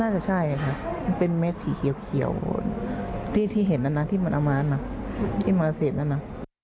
น่าจะใช่ค่ะมันเป็นเม็ดสีเขียวที่เห็นนั้นนะที่มันเอามานะที่มาเสพนั่นนะ